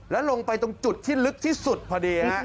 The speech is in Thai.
แล้วลงไปตรงจุดที่ลึกที่สุดพอดีฮะ